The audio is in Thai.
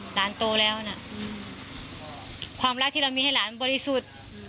โตแล้วนะความรักที่เรามีให้หลานบริสุทธิ์